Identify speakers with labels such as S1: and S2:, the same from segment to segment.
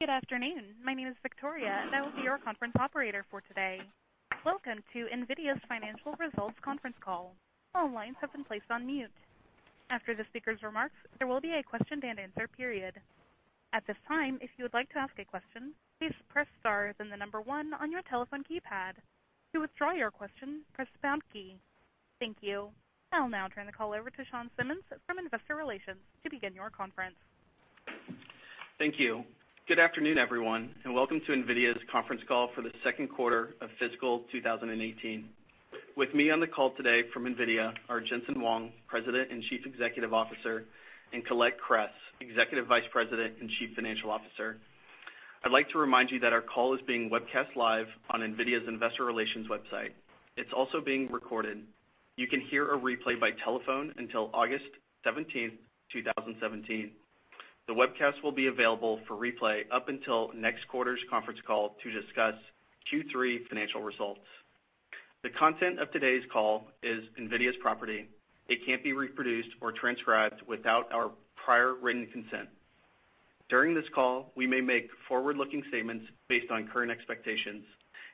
S1: Good afternoon. My name is Victoria, and I will be your conference operator for today. Welcome to NVIDIA's Financial Results conference call. All lines have been placed on mute. After the speakers' remarks, there will be a question and answer period. At this time, if you would like to ask a question, please press star, then 1 on your telephone keypad. To withdraw your question, press pound key. Thank you. I will now turn the call over to Shawn Simmons from Investor Relations to begin your conference.
S2: Thank you. Good afternoon, everyone, and welcome to NVIDIA's conference call for the second quarter of fiscal 2018. With me on the call today from NVIDIA are Jensen Huang, President and Chief Executive Officer, and Colette Kress, Executive Vice President and Chief Financial Officer. I'd like to remind you that our call is being webcast live on NVIDIA's investor relations website. It's also being recorded. You can hear a replay by telephone until August 17th, 2017. The webcast will be available for replay up until next quarter's conference call to discuss Q3 financial results. The content of today's call is NVIDIA's property. It can't be reproduced or transcribed without our prior written consent. During this call, we may make forward-looking statements based on current expectations.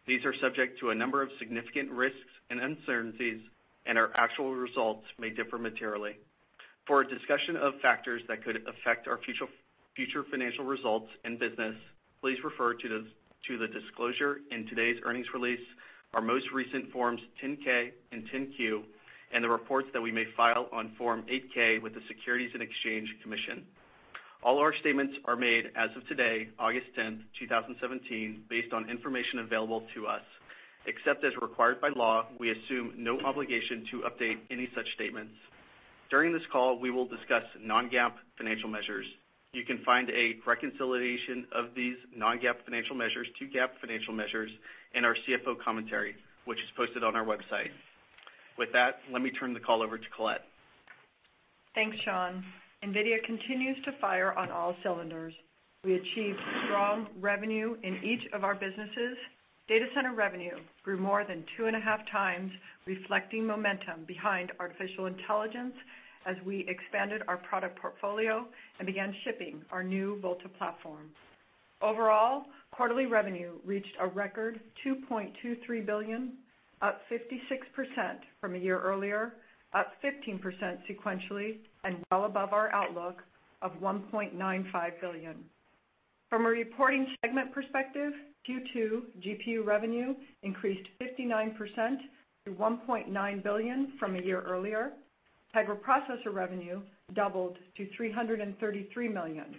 S2: These are subject to a number of significant risks and uncertainties, and our actual results may differ materially. For a discussion of factors that could affect our future financial results and business, please refer to the disclosure in today's earnings release, our most recent Forms 10-K and 10-Q, and the reports that we may file on Form 8-K with the Securities and Exchange Commission. All our statements are made as of today, August 10th, 2017, based on information available to us. Except as required by law, we assume no obligation to update any such statements. During this call, we will discuss non-GAAP financial measures. You can find a reconciliation of these non-GAAP financial measures to GAAP financial measures in our CFO commentary, which is posted on our website. With that, let me turn the call over to Colette.
S3: Thanks, Shawn. NVIDIA continues to fire on all cylinders. We achieved strong revenue in each of our businesses. Data center revenue grew more than two and a half times, reflecting momentum behind artificial intelligence as we expanded our product portfolio and began shipping our new Volta platform. Overall, quarterly revenue reached a record $2.23 billion, up 56% from a year earlier, up 15% sequentially, and well above our outlook of $1.95 billion. From a reporting segment perspective, Q2 GPU revenue increased 59% to $1.9 billion from a year earlier. Tegra processor revenue doubled to $333 million.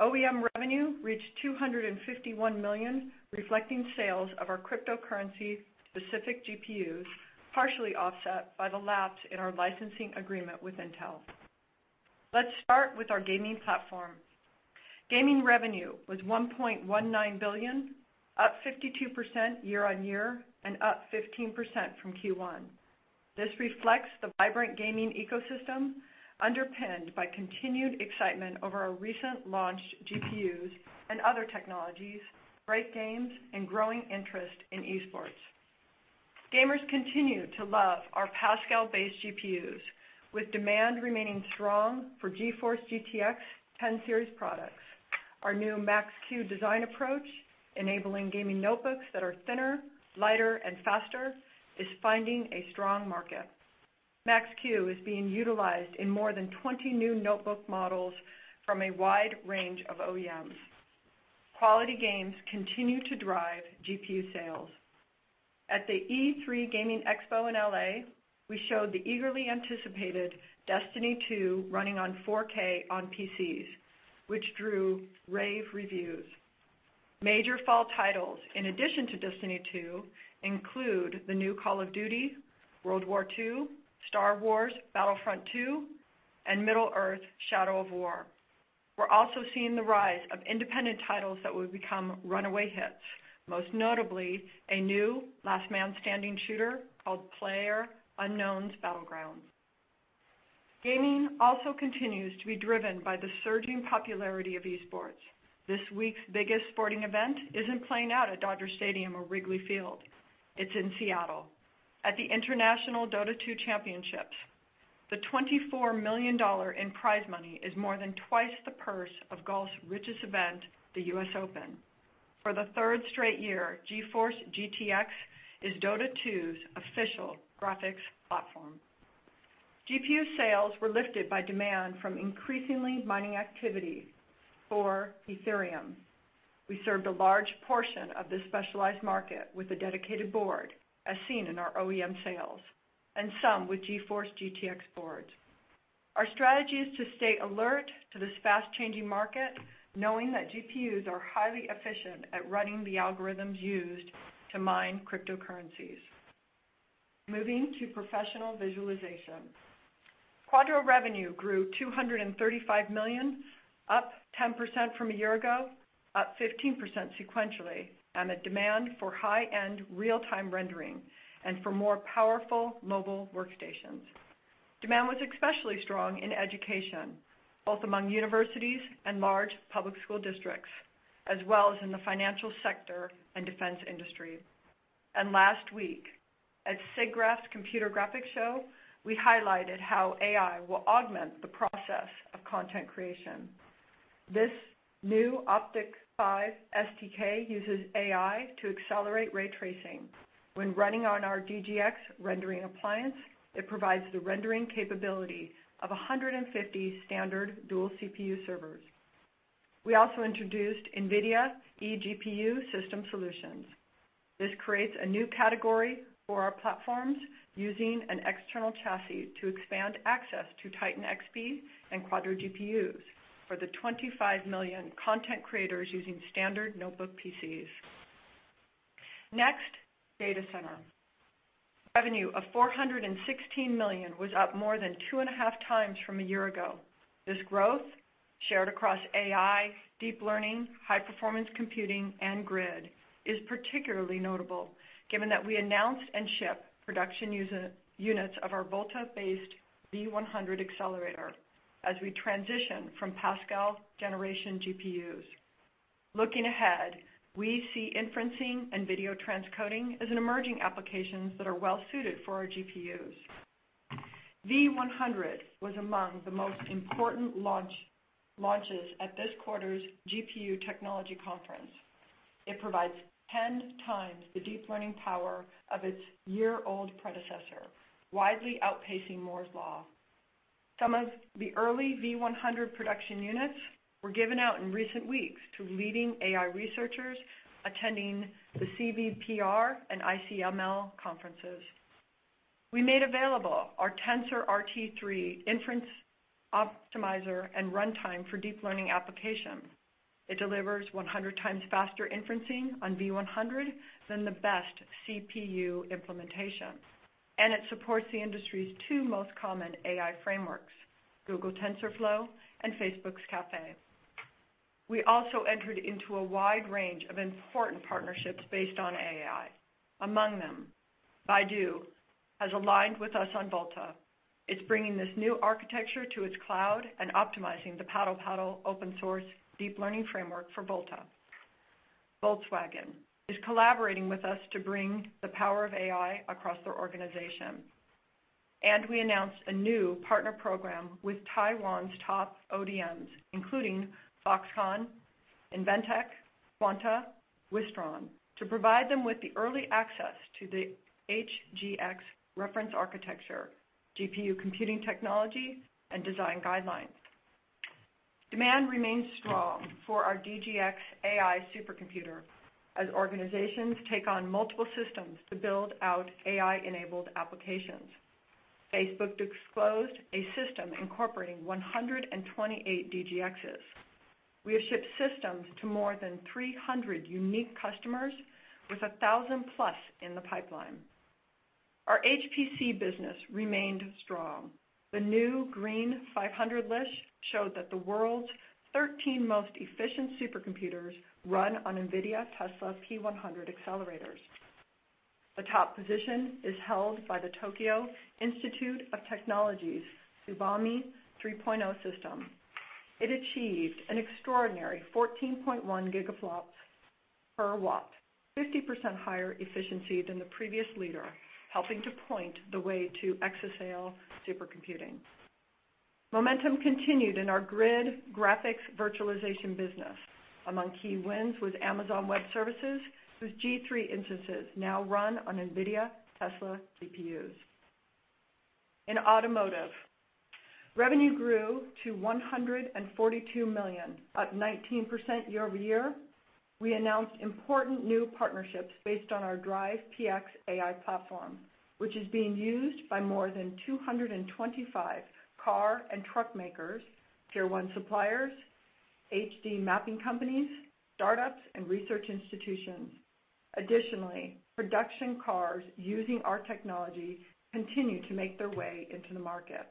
S3: OEM revenue reached $251 million, reflecting sales of our cryptocurrency-specific GPUs, partially offset by the lapse in our licensing agreement with Intel. Let's start with our gaming platform. Gaming revenue was $1.19 billion, up 52% year-over-year, and up 15% from Q1. This reflects the vibrant gaming ecosystem underpinned by continued excitement over our recent launched GPUs and other technologies, great games, and growing interest in esports. Gamers continue to love our Pascal-based GPUs, with demand remaining strong for GeForce GTX 10-series products. Our new Max-Q design approach, enabling gaming notebooks that are thinner, lighter, and faster, is finding a strong market. Max-Q is being utilized in more than 20 new notebook models from a wide range of OEMs. Quality games continue to drive GPU sales. At the E3 Gaming Expo in L.A., we showed the eagerly anticipated Destiny 2 running on 4K on PCs, which drew rave reviews. Major fall titles, in addition to Destiny 2, include the new Call of Duty: WWII, Star Wars Battlefront II, and Middle-earth: Shadow of War. We are also seeing the rise of independent titles that will become runaway hits, most notably a new last man standing shooter called PLAYERUNKNOWN'S BATTLEGROUNDS. Gaming also continues to be driven by the surging popularity of esports. This week's biggest sporting event is not playing out at Dodger Stadium or Wrigley Field. It is in Seattle at the International Dota 2 Championships. The $24 million in prize money is more than twice the purse of golf's richest event, the U.S. Open. For the third straight year, GeForce GTX is Dota 2's official graphics platform. GPU sales were lifted by demand from increasingly mining activity for Ethereum. We served a large portion of this specialized market with a dedicated board, as seen in our OEM sales, and some with GeForce GTX boards. Our strategy is to stay alert to this fast-changing market, knowing that GPUs are highly efficient at running the algorithms used to mine cryptocurrencies. Moving to professional visualization. Quadro revenue grew $235 million, up 10% from a year ago, up 15% sequentially on the demand for high-end real-time rendering and for more powerful mobile workstations. Demand was especially strong in education, both among universities and large public school districts, as well as in the financial sector and defense industry. Last week at SIGGRAPH's Computer Graphics Show, we highlighted how AI will augment the process of content creation. This new OptiX 5.0 SDK uses AI to accelerate ray tracing. When running on our DGX rendering appliance, it provides the rendering capability of 150 standard dual CPU servers. We also introduced NVIDIA eGPU system solutions. This creates a new category for our platforms, using an external chassis to expand access to Titan Xp and Quadro GPUs for the 25 million content creators using standard notebook PCs. Next, data center. Revenue of $416 million was up more than two and a half times from a year ago. This growth, shared across AI, deep learning, high-performance computing, and Grid, is particularly notable given that we announced and ship production units of our Volta-based V100 accelerator as we transition from Pascal generation GPUs. Looking ahead, we see inferencing and video transcoding as an emerging applications that are well suited for our GPUs. V100 was among the most important launches at this quarter's GTC. It provides 10 times the deep learning power of its year-old predecessor, widely outpacing Moore's Law. Some of the early V100 production units were given out in recent weeks to leading AI researchers attending the CVPR and ICML conferences. We made available our TensorRT 3 inference optimizer and runtime for deep learning applications. It delivers 100 times faster inferencing on V100 than the best CPU implementation, and it supports the industry's two most common AI frameworks, Google TensorFlow and Facebook's Caffe2. We also entered into a wide range of important partnerships based on AI. Among them, Baidu has aligned with us on Volta. It's bringing this new architecture to its cloud and optimizing the PaddlePaddle open source deep learning framework for Volta. Volkswagen is collaborating with us to bring the power of AI across their organization. We announced a new partner program with Taiwan's top ODMs, including Foxconn, Inventec, Quanta, Wistron, to provide them with the early access to the HGX reference architecture, GPU computing technology, and design guidelines. Demand remains strong for our DGX AI supercomputer as organizations take on multiple systems to build out AI-enabled applications. Facebook disclosed a system incorporating 128 DGXs. We have shipped systems to more than 300 unique customers with 1,000 plus in the pipeline. Our HPC business remained strong. The new Green500 list showed that the world's 13 most efficient supercomputers run on NVIDIA Tesla P100 accelerators. The top position is held by the Tokyo Institute of Technology's TSUBAME 3.0 system. It achieved an extraordinary 14.1 gigaflops per watt, 50% higher efficiency than the previous leader, helping to point the way to exascale supercomputing. Momentum continued in our Grid graphics virtualization business. Among key wins was Amazon Web Services, whose G3 instances now run on NVIDIA Tesla GPUs. In automotive, revenue grew to $142 million, up 19% year-over-year. We announced important new partnerships based on our DRIVE PX AI platform, which is being used by more than 225 car and truck makers, tier 1 suppliers, HD mapping companies, startups, and research institutions. Additionally, production cars using our technology continue to make their way into the market.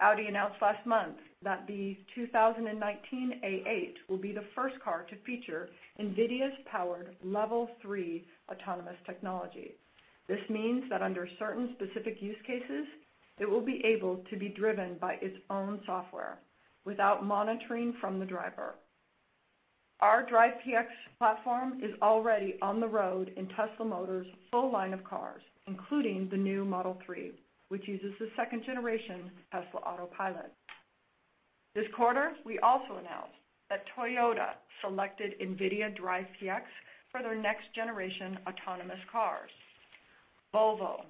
S3: Audi announced last month that the 2019 A8 will be the first car to feature NVIDIA's powered Level 3 autonomous technology. This means that under certain specific use cases, it will be able to be driven by its own software without monitoring from the driver. Our DRIVE PX platform is already on the road in Tesla Motors' full line of cars, including the new Model 3, which uses the second generation Tesla Autopilot. This quarter, we also announced that Toyota selected NVIDIA DRIVE PX for their next generation autonomous cars. Volvo,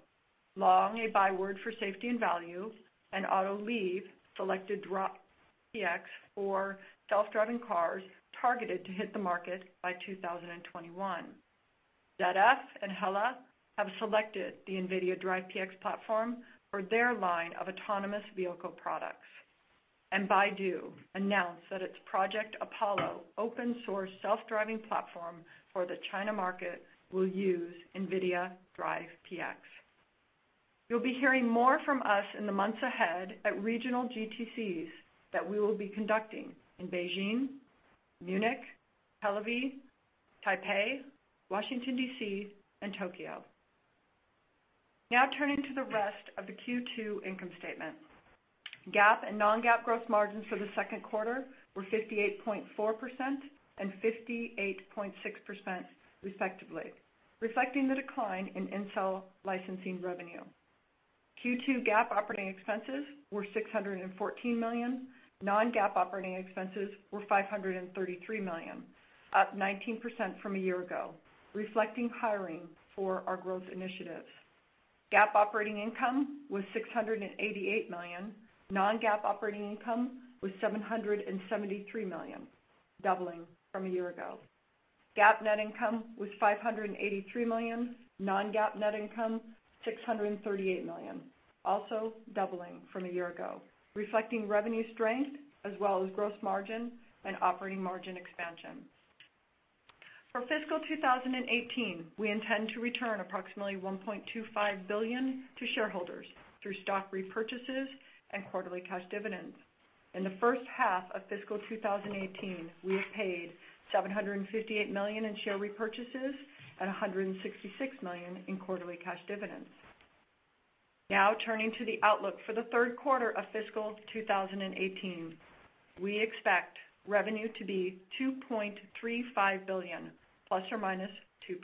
S3: long a byword for safety and value, and Autoliv selected DRIVE PX for self-driving cars targeted to hit the market by 2021. ZF and Hella have selected the NVIDIA DRIVE PX platform for their line of autonomous vehicle products. Baidu announced that its Project Apollo open source self-driving platform for the China market will use NVIDIA DRIVE PX. You'll be hearing more from us in the months ahead at regional GTCs that we will be conducting in Beijing, Munich, Tel Aviv, Taipei, Washington, D.C., and Tokyo. Turning to the rest of the Q2 income statement. GAAP and non-GAAP gross margins for the second quarter were 58.4% and 58.6% respectively, reflecting the decline in Intel licensing revenue. Q2 GAAP operating expenses were $614 million. Non-GAAP operating expenses were $533 million, up 19% from a year ago, reflecting hiring for our growth initiatives. GAAP operating income was $688 million. Non-GAAP operating income was $773 million, doubling from a year ago. GAAP net income was $583 million. Non-GAAP net income $638 million, also doubling from a year ago, reflecting revenue strength as well as gross margin and operating margin expansion. For fiscal 2018, we intend to return approximately $1.25 billion to shareholders through stock repurchases and quarterly cash dividends. In the first half of fiscal 2018, we have paid $758 million in share repurchases and $166 million in quarterly cash dividends. Now turning to the outlook for the third quarter of fiscal 2018. We expect revenue to be $2.35 billion plus or minus 2%.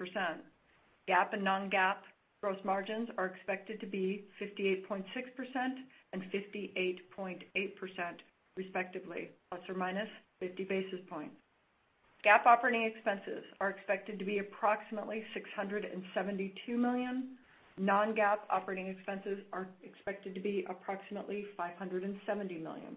S3: GAAP and non-GAAP gross margins are expected to be 58.6% and 58.8%, respectively, plus or minus 50 basis points. GAAP operating expenses are expected to be approximately $672 million. Non-GAAP operating expenses are expected to be approximately $570 million.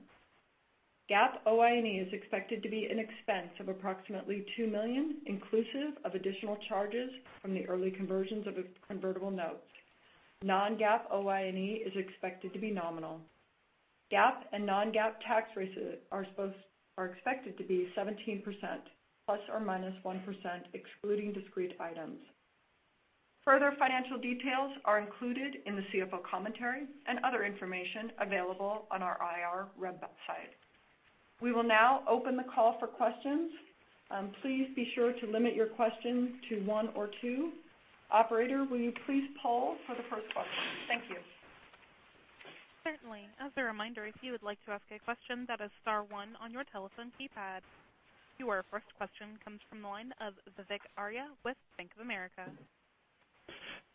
S3: GAAP OI&E is expected to be an expense of approximately $2 million inclusive of additional charges from the early conversions of its convertible notes. Non-GAAP OI&E is expected to be nominal. GAAP and non-GAAP tax rates are expected to be 17%, plus or minus 1%, excluding discrete items. Further financial details are included in the CFO commentary and other information available on our IR website. We will now open the call for questions. Please be sure to limit your question to one or two. Operator, will you please poll for the first question? Thank you.
S1: Certainly. As a reminder, if you would like to ask a question, that is star one on your telephone keypad. Your first question comes from the line of Vivek Arya with Bank of America.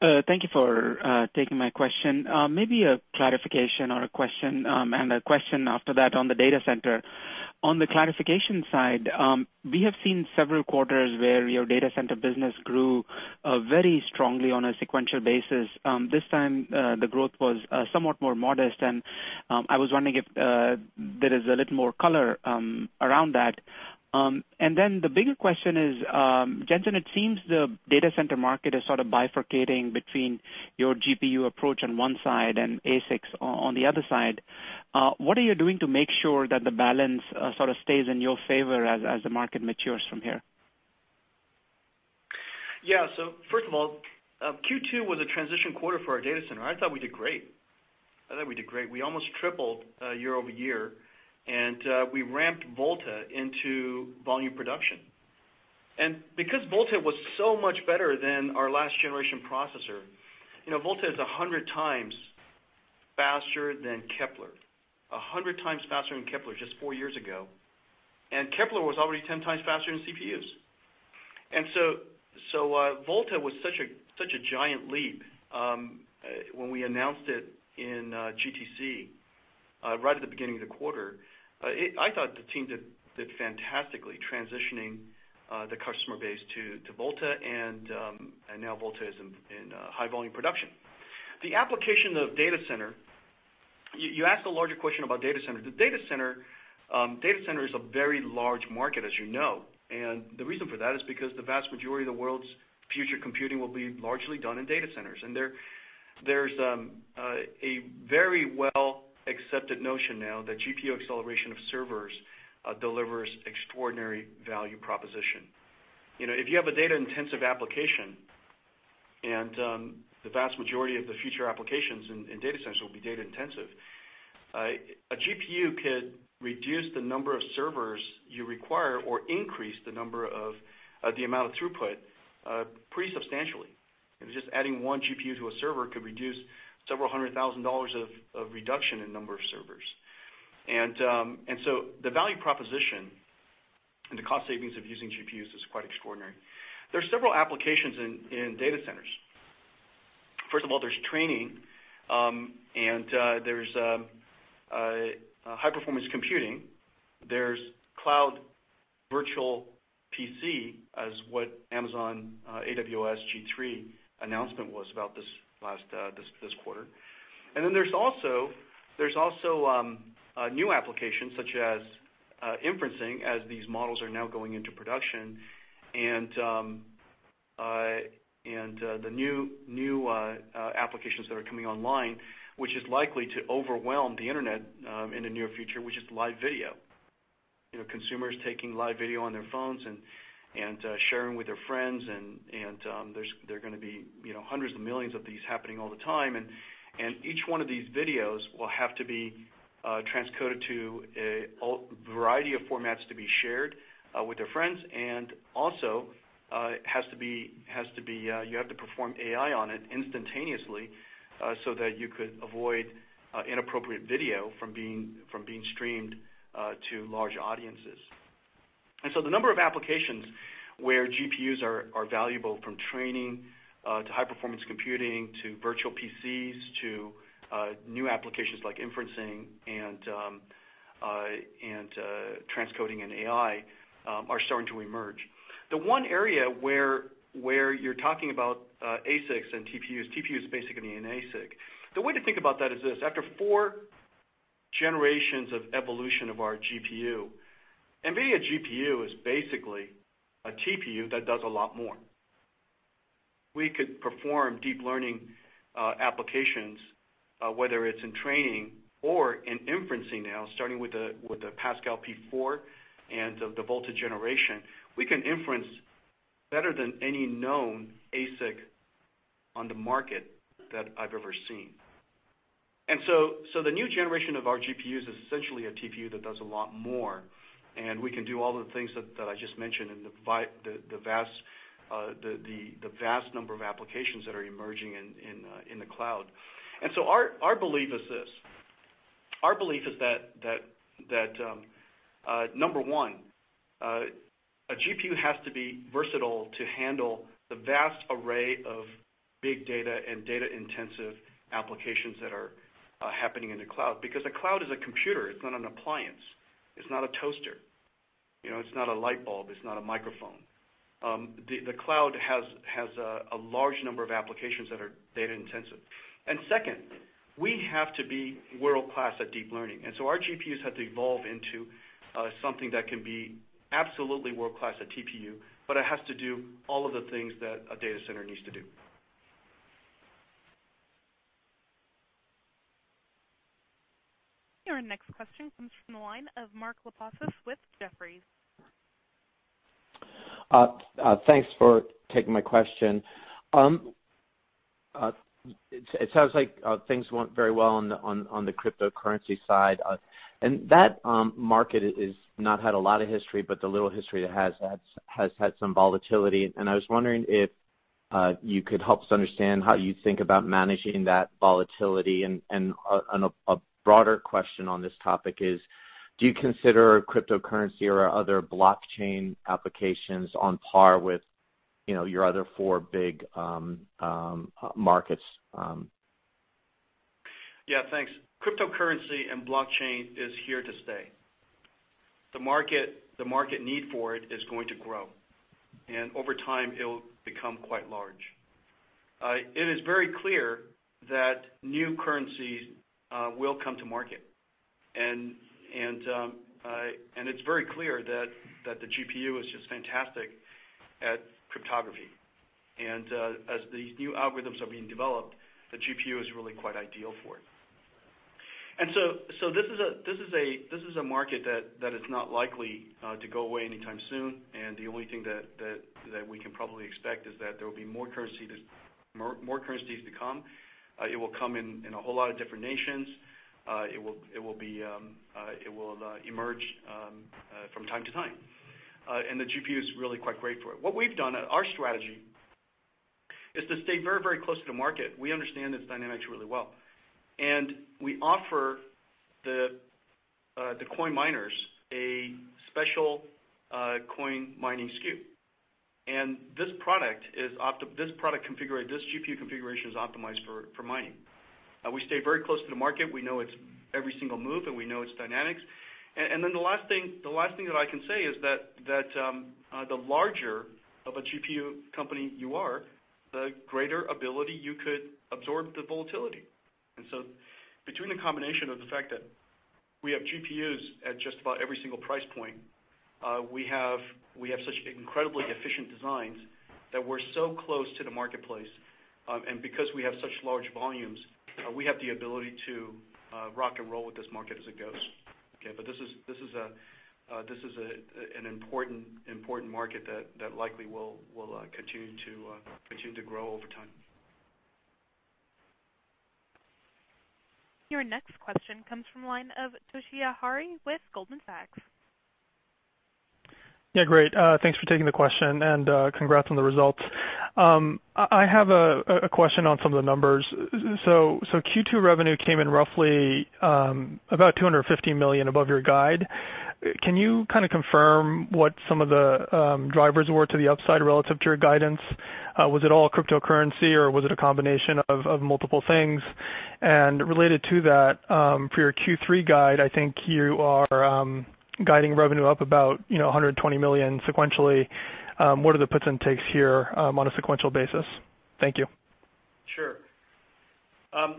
S4: Thank you for taking my question. Maybe a clarification or a question, and a question after that on the data center. On the clarification side, we have seen several quarters where your data center business grew very strongly on a sequential basis. This time, the growth was somewhat more modest, and I was wondering if there is a little more color around that. The bigger question is, Jensen, it seems the data center market is sort of bifurcating between your GPU approach on one side and ASICs on the other side. What are you doing to make sure that the balance sort of stays in your favor as the market matures from here?
S3: First of all, Q2 was a transition quarter for our data center. I thought we did great. We almost tripled year-over-year, we ramped Volta into volume production. Because Volta was so much better than our last generation processor, Volta is 100 times faster than Kepler, just four years ago. Kepler was already 10 times faster than CPUs. Volta was such a giant leap when we announced it in GTC right at the beginning of the quarter. I thought the team did fantastically transitioning the customer base to Volta, and now Volta is in high volume production. The application of data center, you asked a larger question about data center. The data center is a very large market, as you know. The reason for that is because the vast majority of the world's future computing will be largely done in data centers. There's a very well accepted notion now that GPU acceleration of servers delivers extraordinary value proposition. If you have a data-intensive application, the vast majority of the future applications in data centers will be data-intensive, a GPU could reduce the number of servers you require or increase the amount of throughput pretty substantially. Just adding one GPU to a server could reduce several hundred thousand dollars of reduction in number of servers. The value proposition and the cost savings of using GPUs is quite extraordinary. There are several applications in data centers. First of all, there's training, high-performance computing. There's cloud virtual PC as what Amazon AWS G3 announcement was about this quarter. There's also new applications such as inferencing, as these models are now going into production, the new applications that are coming online, which is likely to overwhelm the internet in the near future, which is live video.
S5: Consumers taking live video on their phones and sharing with their friends, there's going to be hundreds of millions of these happening all the time. Each one of these videos will have to be transcoded to a variety of formats to be shared with their friends, also you have to perform AI on it instantaneously so that you could avoid inappropriate video from being streamed to large audiences. The number of applications where GPUs are valuable, from training to high-performance computing, to virtual PCs, to new applications like inferencing and transcoding and AI, are starting to emerge. The one area where you're talking about ASICs and TPUs, TPU is basically an ASIC. The way to think about that is this. After four generations of evolution of our GPU, NVIDIA GPU is basically a TPU that does a lot more. We could perform deep learning applications, whether it's in training or in inferencing now, starting with the Pascal P4 and the Volta generation. We can inference better than any known ASIC on the market that I've ever seen. The new generation of our GPUs is essentially a TPU that does a lot more, and we can do all of the things that I just mentioned in the vast number of applications that are emerging in the cloud. Our belief is this. Our belief is that, number one, a GPU has to be versatile to handle the vast array of big data and data-intensive applications that are happening in the cloud. Because a cloud is a computer, it's not an appliance. It's not a toaster. It's not a light bulb. It's not a microphone. The cloud has a large number of applications that are data-intensive. Second, we have to be world-class at deep learning. Our GPUs have to evolve into something that can be absolutely world-class at TPU, but it has to do all of the things that a data center needs to do.
S1: Your next question comes from the line of Mark Lipacis with Jefferies.
S6: Thanks for taking my question. It sounds like things went very well on the cryptocurrency side. That market has not had a lot of history, but the little history it has had, has had some volatility. I was wondering if you could help us understand how you think about managing that volatility. A broader question on this topic is, do you consider cryptocurrency or other blockchain applications on par with your other four big markets?
S5: Yeah, thanks. Cryptocurrency and blockchain is here to stay. The market need for it is going to grow. Over time, it'll become quite large. It is very clear that new currencies will come to market. It's very clear that the GPU is just fantastic at cryptography. As these new algorithms are being developed, the GPU is really quite ideal for it. This is a market that is not likely to go away anytime soon. The only thing that we can probably expect is that there will be more currencies to come. It will come in a whole lot of different nations. It will emerge from time to time. The GPU is really quite great for it. What we've done, our strategy is to stay very close to the market. We understand its dynamics really well. We offer the coin miners a special coin mining SKU. This GPU configuration is optimized for mining. We stay very close to the market. We know its every single move, and we know its dynamics. The last thing that I can say is that the larger of a GPU company you are, the greater ability you could absorb the volatility. Between the combination of the fact that we have GPUs at just about every single price point, we have such incredibly efficient designs that we're so close to the marketplace. Because we have such large volumes, we have the ability to rock and roll with this market as it goes, okay? This is an important market that likely will continue to grow over time.
S1: Your next question comes from the line of Toshiya Hari with Goldman Sachs.
S7: Yeah, great. Thanks for taking the question. Congrats on the results. I have a question on some of the numbers. Q2 revenue came in roughly about $250 million above your guide. Can you kind of confirm what some of the drivers were to the upside relative to your guidance? Was it all cryptocurrency or was it a combination of multiple things? Related to that, for your Q3 guide, I think you are guiding revenue up about $120 million sequentially. What are the puts and takes here on a sequential basis? Thank you.
S5: Sure.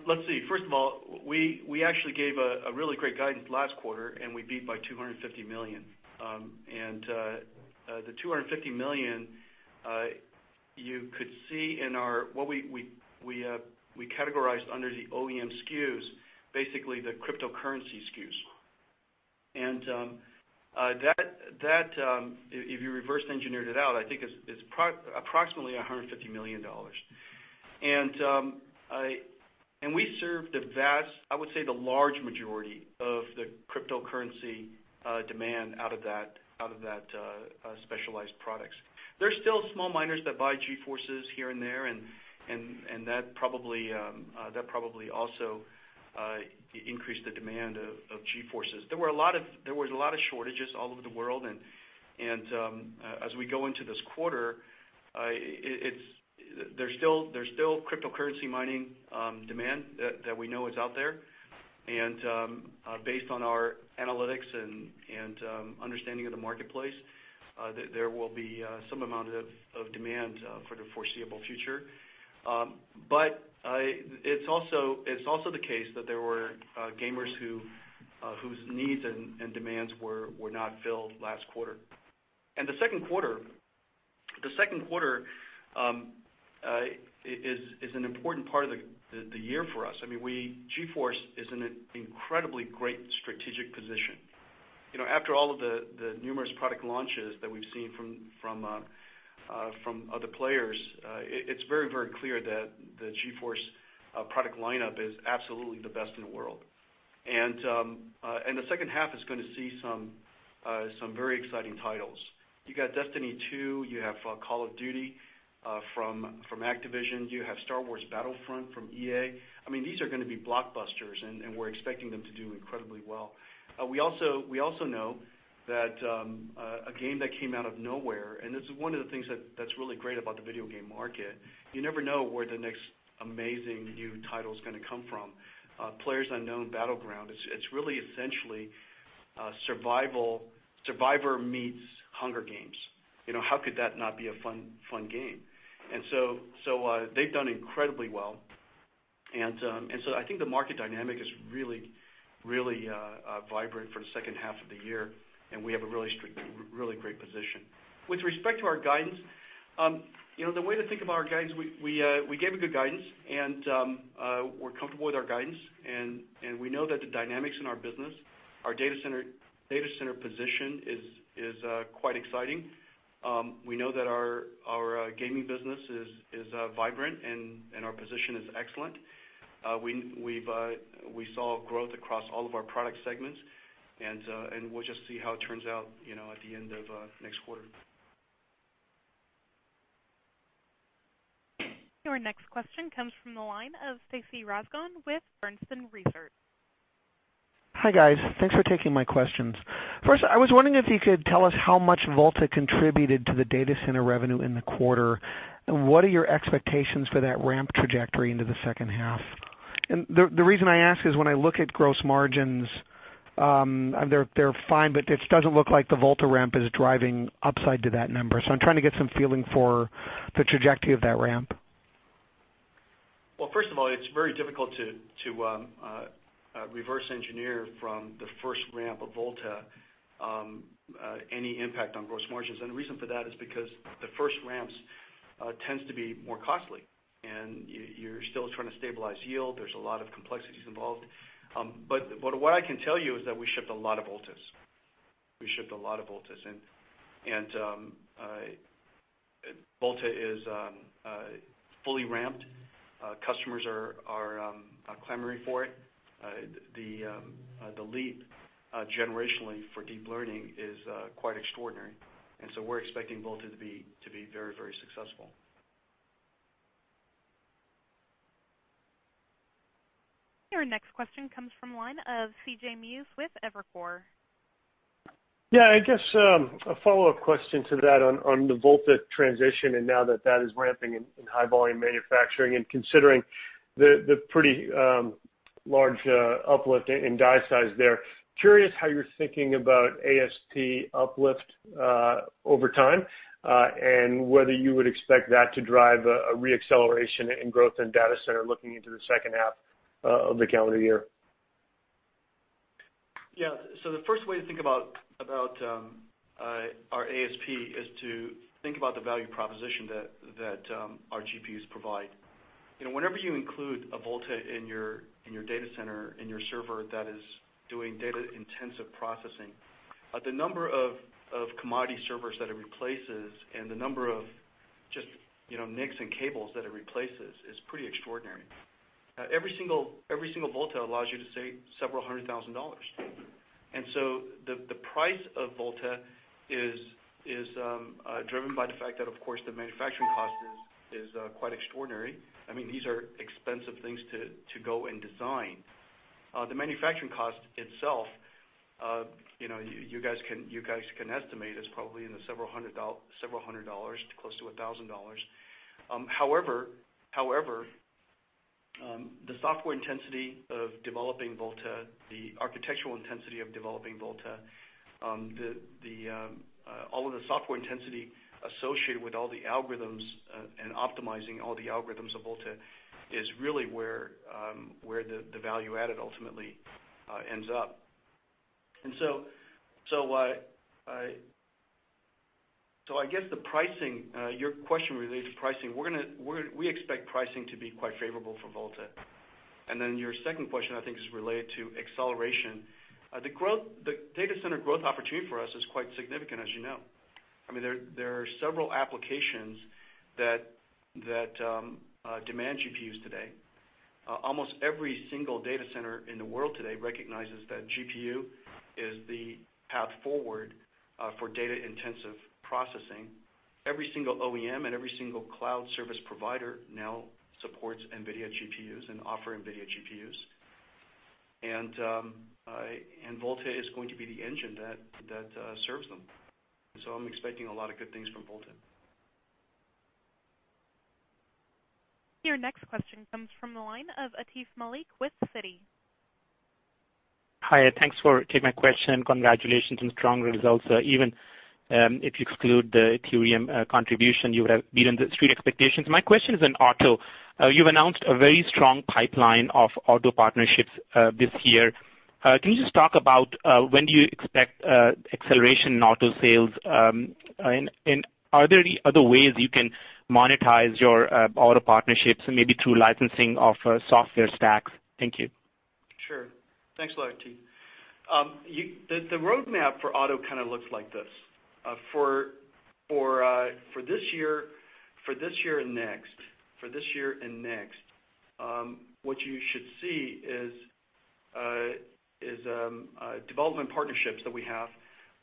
S5: Let's see. First of all, we actually gave a really great guidance last quarter, and we beat by $250 million. The $250 million you could see in our, what we categorized under the OEM SKUs, basically the cryptocurrency SKUs. That, if you reverse engineered it out, I think is approximately $150 million. We serve the vast, I would say the large majority of the cryptocurrency demand out of that specialized products. There's still small miners that buy GeForce here and there, and that probably also increases the demand of GeForce. There was a lot of shortages all over the world, and as we go into this quarter, there's still cryptocurrency mining demand that we know is out there. Based on our analytics and understanding of the marketplace, there will be some amount of demand for the foreseeable future. It's also the case that there were gamers whose needs and demands were not filled last quarter. The second quarter is an important part of the year for us. GeForce is in an incredibly great strategic position. After all of the numerous product launches that we've seen from other players, it's very clear that the GeForce product lineup is absolutely the best in the world. The second half is going to see some very exciting titles. You got Destiny 2, you have Call of Duty from Activision, you have Star Wars Battlefront from EA. These are going to be blockbusters, and we're expecting them to do incredibly well. We also know that a game that came out of nowhere, and this is one of the things that's really great about the video game market, you never know where the next amazing new title is going to come from. PLAYERUNKNOWN'S BATTLEGROUNDS, it's really essentially survivor meets Hunger Games. How could that not be a fun game? They've done incredibly well, so I think the market dynamic is really vibrant for the second half of the year, and we have a really great position. With respect to our guidance, the way to think about our guidance, we gave a good guidance, and we're comfortable with our guidance, and we know that the dynamics in our business, our data center position is quite exciting. We know that our gaming business is vibrant, and our position is excellent. We saw growth across all of our product segments, and we'll just see how it turns out at the end of next quarter.
S1: Your next question comes from the line of Stacy Rasgon with Bernstein Research.
S8: Hi, guys. Thanks for taking my questions. First, I was wondering if you could tell us how much Volta contributed to the data center revenue in the quarter, and what are your expectations for that ramp trajectory into the second half? The reason I ask is when I look at gross margins, they're fine, but it doesn't look like the Volta ramp is driving upside to that number. I'm trying to get some feeling for the trajectory of that ramp.
S5: Well, first of all, it's very difficult to reverse engineer from the first ramp of Volta any impact on gross margins. The reason for that is because the first ramps tends to be more costly, and you're still trying to stabilize yield. There's a lot of complexities involved. What I can tell you is that we shipped a lot of Voltas. We shipped a lot of Voltas, Volta is fully ramped. Customers are clamoring for it. The leap generationally for deep learning is quite extraordinary, we're expecting Volta to be very successful.
S1: Your next question comes from the line of C.J. Muse with Evercore.
S9: Yeah, I guess a follow-up question to that on the Volta transition and now that that is ramping in high volume manufacturing and considering the pretty large uplift in die size there, curious how you're thinking about ASP uplift over time, and whether you would expect that to drive a re-acceleration in growth in data center looking into the second half of the calendar year.
S5: Yeah. The first way to think about our ASP is to think about the value proposition that our GPUs provide. Whenever you include a Volta in your data center, in your server that is doing data-intensive processing, the number of commodity servers that it replaces and the number of just NICs and cables that it replaces is pretty extraordinary. Every single Volta allows you to save several hundred thousand dollars. The price of Volta is driven by the fact that, of course, the manufacturing cost is quite extraordinary. These are expensive things to go and design. The manufacturing cost itself, you guys can estimate, is probably in the several hundred dollars to close to $1,000. However, the software intensity of developing Volta, the architectural intensity of developing Volta, all of the software intensity associated with all the algorithms and optimizing all the algorithms of Volta is really where the value added ultimately ends up. I guess the pricing, your question related to pricing, we expect pricing to be quite favorable for Volta. Your second question, I think, is related to acceleration. The data center growth opportunity for us is quite significant, as you know. There are several applications that demand GPUs today. Almost every single data center in the world today recognizes that GPU is the path forward for data-intensive processing. Every single OEM and every single cloud service provider now supports NVIDIA GPUs and offer NVIDIA GPUs. Volta is going to be the engine that serves them. I'm expecting a lot of good things from Volta.
S1: Your next question comes from the line of Atif Malik with Citi.
S10: Hi, thanks for taking my question. Congratulations on strong results. Even if you exclude the Ethereum contribution, you would have beaten the street expectations. My question is on auto. You've announced a very strong pipeline of auto partnerships this year. Can you just talk about when do you expect acceleration in auto sales, and are there any other ways you can monetize your auto partnerships, maybe through licensing of software stacks? Thank you.
S5: Sure. Thanks a lot, Atif. The roadmap for auto kind of looks like this. For this year and next, what you should see is development partnerships that we have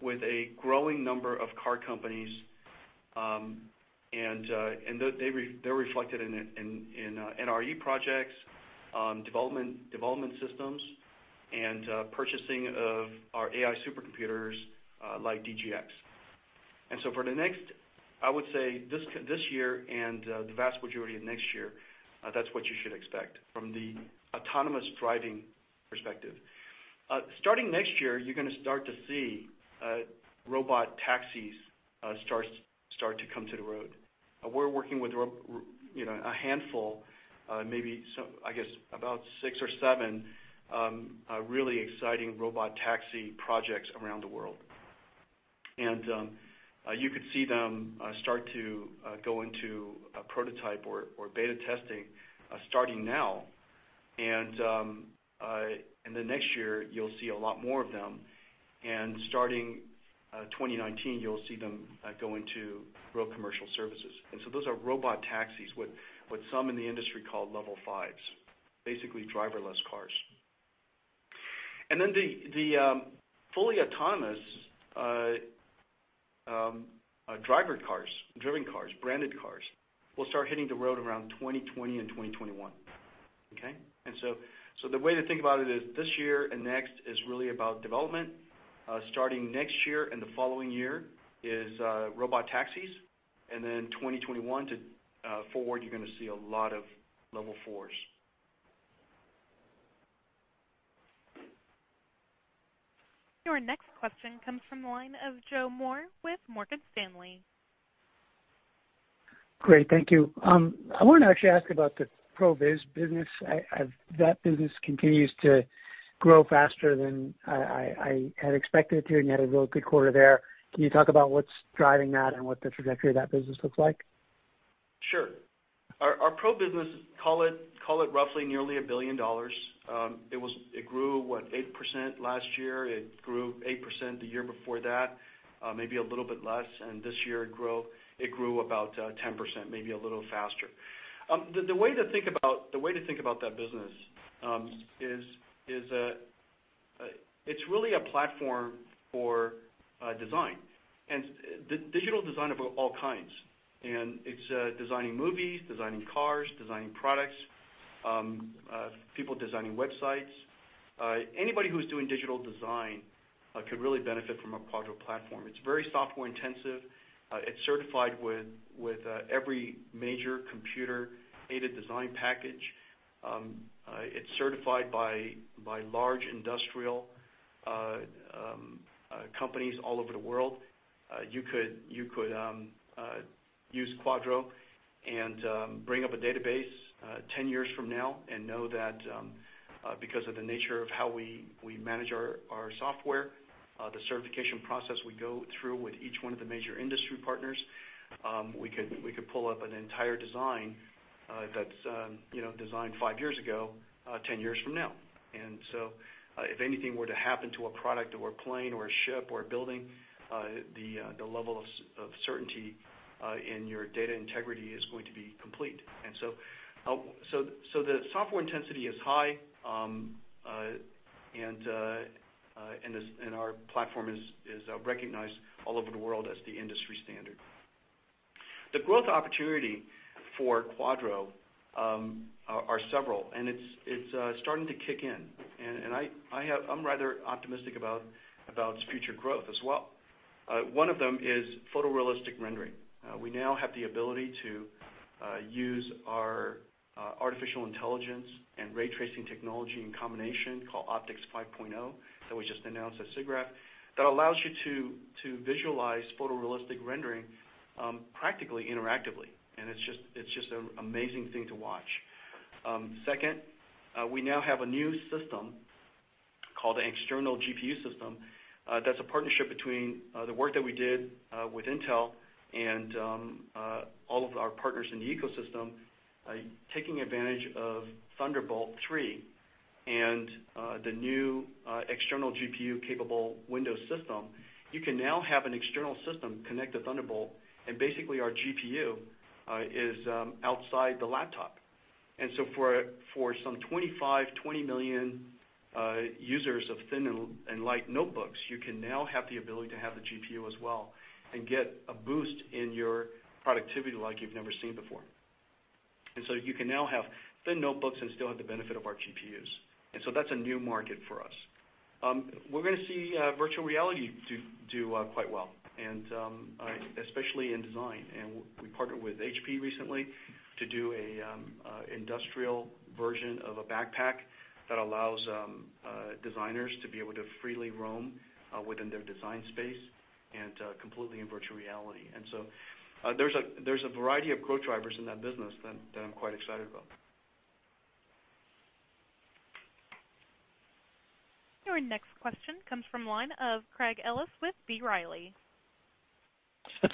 S5: with a growing number of car companies, and they're reflected in NRE projects, development systems, and purchasing of our AI supercomputers like DGX. So for the next, I would say, this year and the vast majority of next year, that's what you should expect from the autonomous driving perspective. Starting next year, you're going to start to see robot taxis start to come to the road. We're working with a handful, maybe, I guess about six or seven really exciting robot taxi projects around the world. You could see them start to go into a prototype or beta testing starting now. Next year, you'll see a lot more of them, starting 2019, you'll see them go into real commercial services. Those are robot taxis, what some in the industry call level 5s, basically driverless cars. The fully autonomous driver cars, driven cars, branded cars, will start hitting the road around 2020 and 2021. Okay? The way to think about it is this year and next is really about development. Starting next year and the following year is robot taxis, 2021 to forward, you're gonna see a lot of level 4s.
S1: Your next question comes from the line of Joseph Moore with Morgan Stanley.
S11: Great. Thank you. I want to actually ask about the ProViz business. That business continues to grow faster than I had expected it to, and you had a real good quarter there. Can you talk about what's driving that and what the trajectory of that business looks like?
S5: Sure. Our Pro business, call it roughly nearly $1 billion. It grew, what, 8% last year. It grew 8% the year before that, maybe a little bit less. This year it grew about 10%, maybe a little faster. The way to think about that business is it's really a platform for design, and digital design of all kinds. It's designing movies, designing cars, designing products, people designing websites. Anybody who's doing digital design could really benefit from a Quadro platform. It's very software intensive. It's certified with every major computer-aided design package. It's certified by large industrial companies all over the world. You could use Quadro and bring up a database 10 years from now and know that because of the nature of how we manage our software, the certification process we go through with each one of the major industry partners, we could pull up an entire design that's designed five years ago, 10 years from now. So if anything were to happen to a product or a plane or a ship or a building, the level of certainty in your data integrity is going to be complete. So the software intensity is high, and our platform is recognized all over the world as the industry standard. The growth opportunity for Quadro are several, and it's starting to kick in, and I'm rather optimistic about its future growth as well. One of them is photorealistic rendering. We now have the ability to use our artificial intelligence and ray tracing technology in combination, called OptiX 5.0, that we just announced at SIGGRAPH, that allows you to visualize photorealistic rendering practically interactively. Second, we now have a new system called an external GPU system, that's a partnership between the work that we did with Intel and all of our partners in the ecosystem, taking advantage of Thunderbolt 3 and the new external GPU-capable Windows system. You can now have an external system connect to Thunderbolt, and basically our GPU is outside the laptop. For some 25 million, 20 million users of thin and light notebooks, you can now have the ability to have the GPU as well and get a boost in your productivity like you've never seen before. You can now have thin notebooks and still have the benefit of our GPUs. That's a new market for us. We're going to see virtual reality do quite well, especially in design. We partnered with HP recently to do an industrial version of a backpack that allows designers to be able to freely roam within their design space and completely in virtual reality. There's a variety of growth drivers in that business that I'm quite excited about.
S1: Your next question comes from the line of Craig Ellis with B. Riley.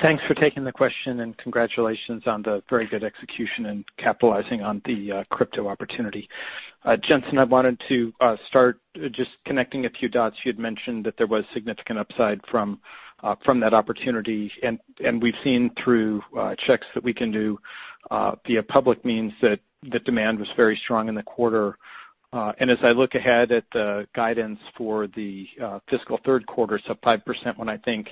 S12: Thanks for taking the question, and congratulations on the very good execution and capitalizing on the crypto opportunity. Jensen, I wanted to start just connecting a few dots. You had mentioned that there was significant upside from that opportunity, we've seen through checks that we can do via public means that the demand was very strong in the quarter. As I look ahead at the guidance for the fiscal third quarter, 5% when I think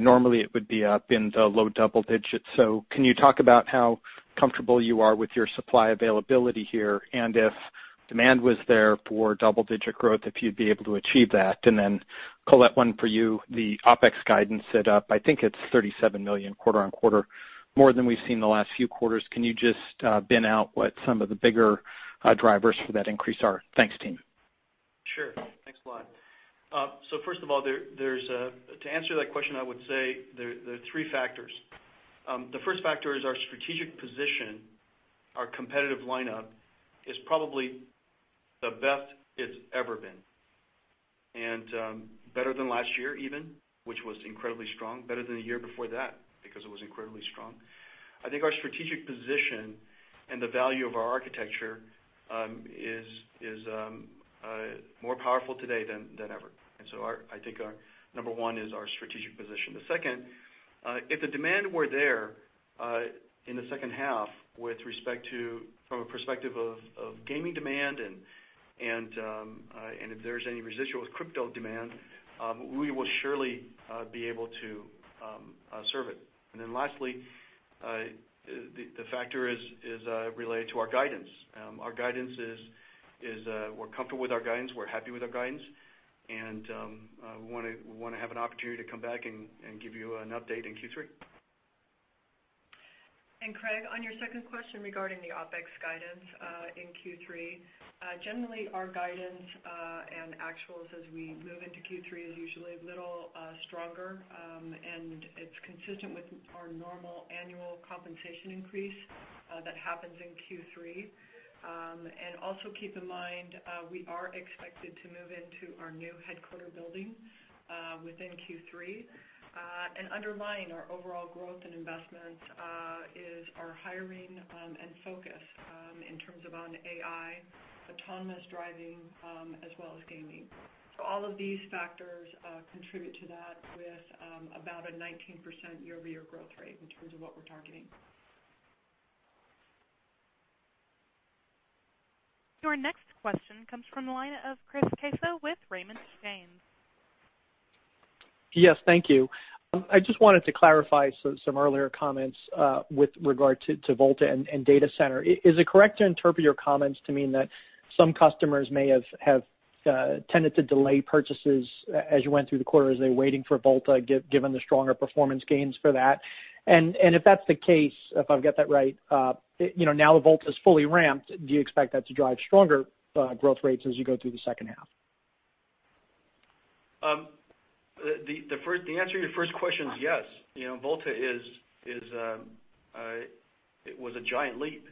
S12: normally it would be up in the low double digits. Can you talk about how comfortable you are with your supply availability here? If demand was there for double-digit growth, if you'd be able to achieve that? Colette, one for you. The OpEx guidance set up, I think it's $37 million quarter-on-quarter, more than we've seen the last few quarters. Can you just bin out what some of the bigger drivers for that increase are? Thanks, team.
S5: Sure. Thanks a lot. First of all, to answer that question, I would say there are three factors. The first factor is our strategic position. Our competitive lineup is probably the best it's ever been, and better than last year even, which was incredibly strong, better than the year before that because it was incredibly strong. I think our strategic position and the value of our architecture is more powerful today than ever. I think our number one is our strategic position. The second, if the demand were there in the second half with respect to, from a perspective of gaming demand and if there's any residual with crypto demand, we will surely be able to serve it. Lastly, the factor is related to our guidance. We're comfortable with our guidance. We're happy with our guidance, we wanna have an opportunity to come back and give you an update in Q3.
S3: Craig, on your second question regarding the OpEx guidance in Q3, generally our guidance and actuals as we move into Q3 is usually a little stronger, and it's consistent with our normal annual compensation increase that happens in Q3. Also keep in mind, we are expected to move into our new headquarter building within Q3. Underlying our overall growth and investments is our hiring and focus in terms of on AI, autonomous driving, as well as gaming. All of these factors contribute to that with about a 19% year-over-year growth rate in terms of what we're targeting.
S1: Your next question comes from the line of Chris Caso with Raymond James.
S13: Yes, thank you. I just wanted to clarify some earlier comments with regard to Volta and Data Center. Is it correct to interpret your comments to mean that some customers may have tended to delay purchases as you went through the quarter, as they're waiting for Volta, given the stronger performance gains for that? If that's the case, if I've got that right, now that Volta is fully ramped, do you expect that to drive stronger growth rates as you go through the second half?
S5: The answer to your first question is yes. Volta was a giant leap.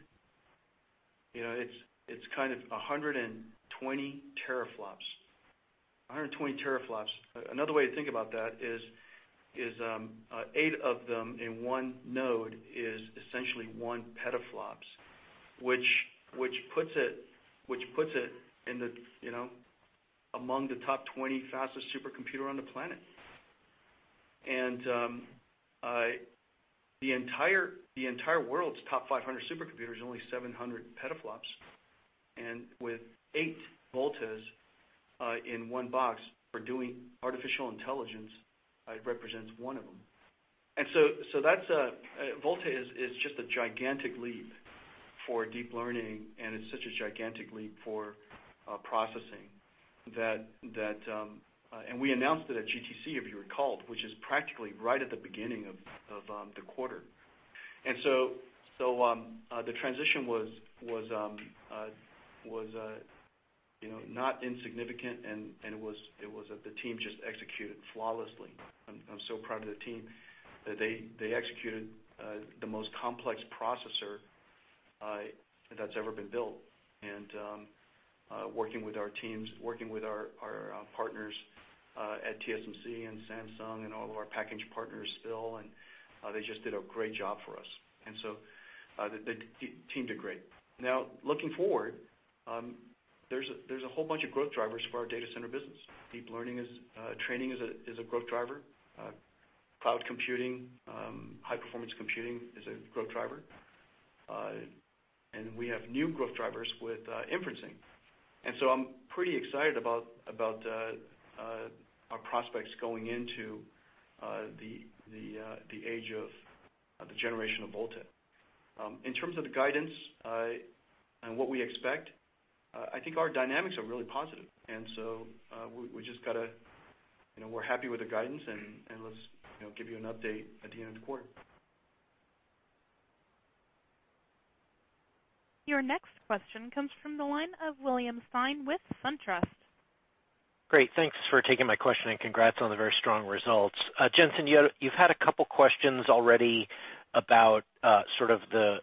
S5: It's 120 teraflops. 120 teraflops. Another way to think about that is, eight of them in one node is essentially one petaflops, which puts it among the top 20 fastest supercomputers on the planet. The entire world's top 500 supercomputers are only 700 petaflops, with eight Voltas in one box for doing artificial intelligence, it represents one of them. Volta is just a gigantic leap for deep learning, and it's such a gigantic leap for processing. We announced it at GTC, if you recall, which is practically right at the beginning of the quarter. The transition was not insignificant, and the team just executed flawlessly. I'm so proud of the team, that they executed the most complex processor that's ever been built. Working with our teams, working with our partners at TSMC and Samsung and all of our package partners still, they just did a great job for us. The team did great. Now, looking forward, there's a whole bunch of growth drivers for our Data Center business. Deep learning training is a growth driver. Cloud computing, high-performance computing is a growth driver. We have new growth drivers with inferencing. I'm pretty excited about our prospects going into the age of the generation of Volta. In terms of the guidance, what we expect, I think our dynamics are really positive. We're happy with the guidance, let's give you an update at the end of the quarter.
S1: Your next question comes from the line of William Stein with SunTrust.
S14: Great. Thanks for taking my question, and congrats on the very strong results. Jensen, you've had a couple questions already about sort of the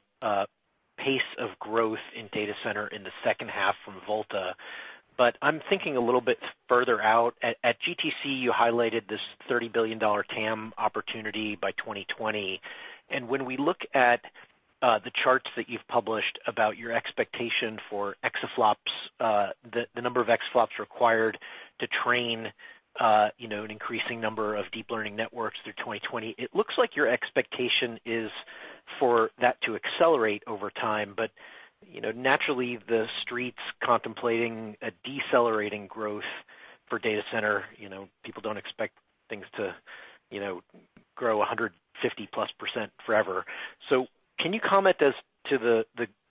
S14: pace of growth in data center in the second half from Volta. I'm thinking a little bit further out. At GTC, you highlighted this $30 billion TAM opportunity by 2020, and when we look at the charts that you've published about your expectation for exaflops, the number of exaflops required to train an increasing number of deep learning networks through 2020, it looks like your expectation is for that to accelerate over time. Naturally, the street's contemplating a decelerating growth for data center. People don't expect things to grow 150+% forever. Can you comment as to